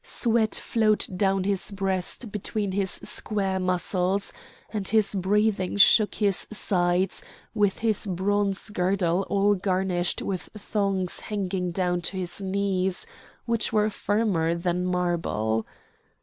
Sweat flowed down his breast between his square muscles; and his breathing shook his sides with his bronze girdle all garnished with thongs hanging down to his knees, which were firmer than marble.